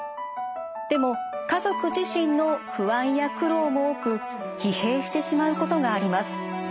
でも家族自身の不安や苦労も多く疲弊してしまうことがあります。